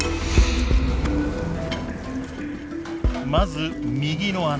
まず右の穴。